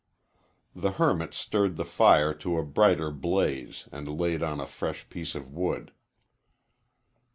The hermit stirred the fire to a brighter blaze and laid on a fresh piece of wood.